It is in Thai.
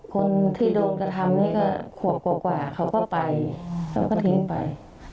คนที่โดนกระทำนี่ก็ขวบกว่าเขาก็ไปเขาก็ทิ้งไป